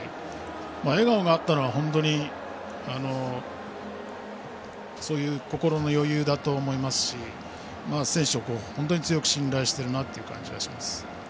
笑顔があったのは本当に心の余裕だと思いますし選手を本当に強く信頼している感じがします。